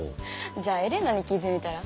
じゃあエレナに聞いてみたら？